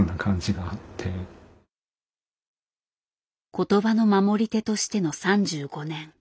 言葉の守り手としての３５年。